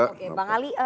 oke bang ali